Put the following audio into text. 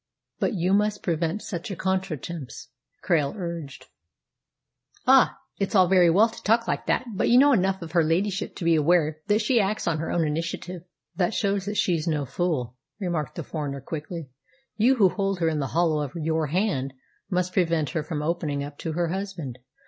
"But you must prevent such a contretemps," Krail urged. "Ah, it's all very well to talk like that! But you know enough of her ladyship to be aware that she acts on her own initiative." "That shows that she's no fool," remarked the foreigner quickly. "You who hold her in the hollow of your hand must prevent her from opening up to her husband.